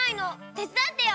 てつだってよ！